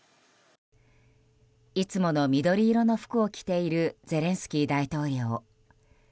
いつもの緑色の服を着ているゼレンスキー大統領。